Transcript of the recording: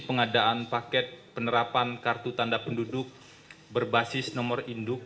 pengadaan paket penerapan kartu tanda penduduk berbasis nomor induk